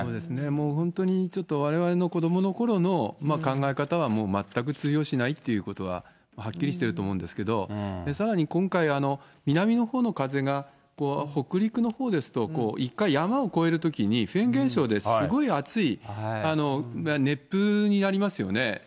もう本当に、ちょっとわれわれの子どものころの考え方はもう全く通用しないということは、はっきりしてると思うんですけど、さらに今回、南のほうの風が、北陸のほうですと、一回、山を越えるときにフェーン現象で、すごい熱い、熱風になりますよね。